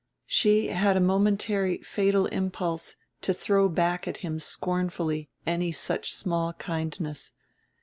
She had a momentary fatal impulse to throw back at him scornfully any such small kindness.